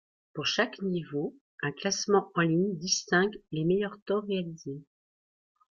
Pour chaque niveau, un classement en ligne distingue les meilleurs temps réalisés.